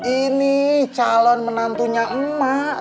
ini calon menantunya emak